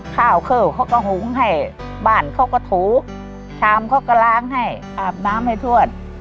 ข้าวเข้าเขาก็หุงให้บ้านเขาก็ถูชามเขาก็ล้างให้อาบน้ำให้ทวด